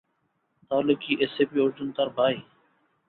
তাহলে কি এসিপি অর্জুন তার ভাই?